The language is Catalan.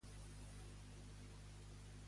Com es veu en el pensament cristià?